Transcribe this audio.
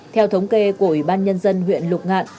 theo thống kê của ủy ban nhân dân huyện lục ngạn